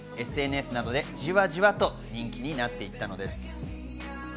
ＳＮＳなどでじわじわと人気になっていったのです。